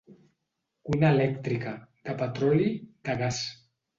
Cuina elèctrica, de petroli, de gas.